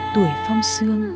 tuổi phong sương